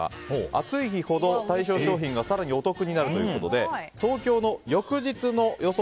暑い日ほど対象商品が更にお得になるということで東京の翌日の予想